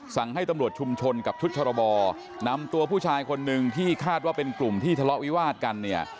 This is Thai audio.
สั่งให้ตำรวจชุมชนกับชุดชรบนำตัวผู้ชายคนหนึ่งที่คาดว่าเป็นกลุ่มที่ทะเลาะวิวาดกันเนี่ย